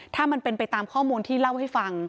ถ้ามันเป็นไปตามข้อมูลที่เล่าให้ฟัง